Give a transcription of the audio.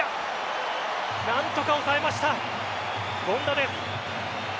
何とか抑えました権田です。